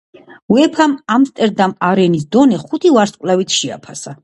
უეფამ ამსტერდამ არენის დონე ხუთი ვარსკვლავით შეაფასა.